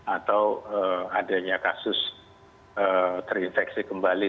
atau adanya kasus terinfeksi kembali